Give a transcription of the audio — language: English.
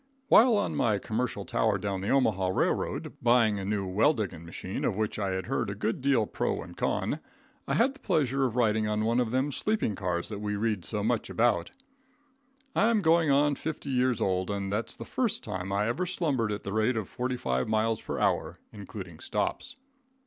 While on my commercial tower down the Omehaw railroad buying a new well diggin' machine of which I had heard a good deal pro and con, I had the pleasure of riding on one of them sleeping cars that we read so much about. I am going on 50 years old, and that's the first time I ever slumbered at the rate of forty five miles per hour, including stops.